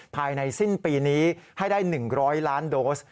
ภายในสิ้นปีนี้ให้ได้๑๐๐ล้านโดส